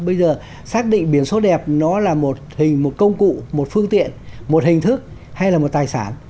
hay là chưa xác định biển số đẹp nó là một hình một công cụ một phương tiện một hình thức hay là một tài sản